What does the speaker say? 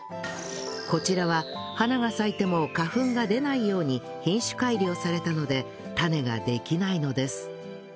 こちらは花が咲いても花粉が出ないように品種改良されたので種ができないのです